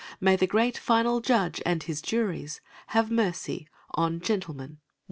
May the great Final Judge and His juries Have mercy on "Gentleman, One"!